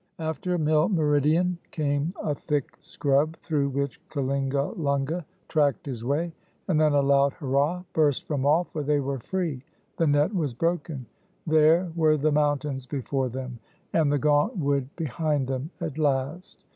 After Milmeridien came a thick scrub, through which Kalingalunga tracked his way; and then a loud hurrah burst from all, for they were free the net was broken. There were the mountains before them and the gaunt wood behind them at last.